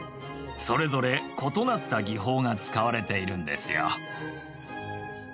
それぞれ異なった技法が使われているんですよ。